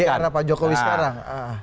di era pak jokowi sekarang